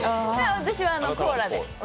私はコーラで。